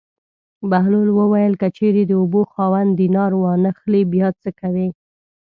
بهلول وویل: که چېرې د اوبو خاوند دینار وانه خلي بیا څه کوې.